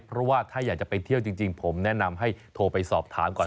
เพราะว่าถ้าอยากจะไปเที่ยวจริงผมแนะนำให้โทรไปสอบถามก่อน